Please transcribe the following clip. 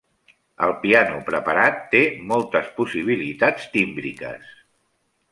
El piano preparat té moltes possibilitats tímbriques.